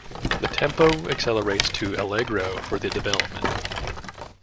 The tempo accelerates to allegro for the development.